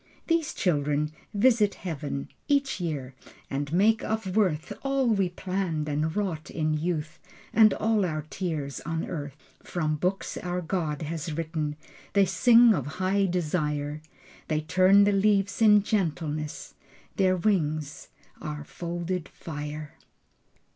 These children visit Heaven Each year and make of worth All we planned and wrought in youth And all our tears on earth. From books our God has written They sing of high desire. They turn the leaves in gentleness. Their wings are folded fire.